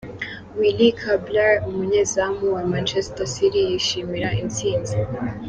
Willy Caballer umunyezamu wa Manchester City yishimira intsinzi.